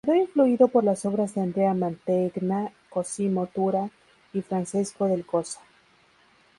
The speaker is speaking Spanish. Quedó influido por las obras de Andrea Mantegna, Cosimo Tura y Francesco del Cossa.